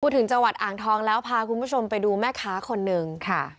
ถึงจังหวัดอ่างทองแล้วพาคุณผู้ชมไปดูแม่ค้าคนหนึ่งค่ะ